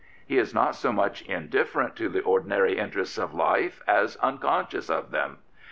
He is not so much indifferent to the ordinary interests of life as un conscious of them.